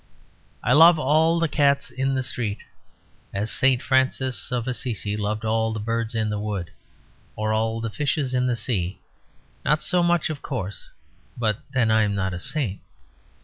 I love all the cats in the street as St. Francis of Assisi loved all the birds in the wood or all the fishes in the sea; not so much, of course, but then I am not a saint.